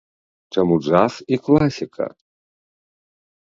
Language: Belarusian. Чаму джаз і класіка?